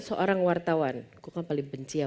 seorang wartawan aku kan paling benci ya